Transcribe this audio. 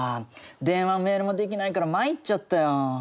電話もメールもできないからまいっちゃったよ。